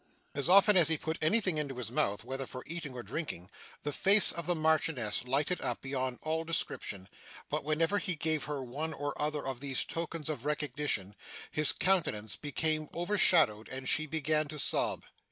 As often as he put anything into his mouth, whether for eating or drinking, the face of the Marchioness lighted up beyond all description; but whenever he gave her one or other of these tokens of recognition, her countenance became overshadowed, and she began to sob.